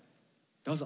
どうぞ。